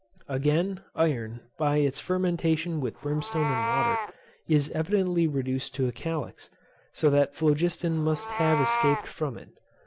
Again, iron, by its fermentation with brimstone and water, is evidently reduced to a calx, so that phlogiston must have escaped from it.